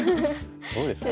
どうですか？